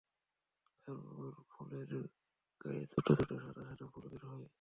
তারপর ফলের গায়ে ছোট ছোট সাদা সাদা ফুল বের হয়।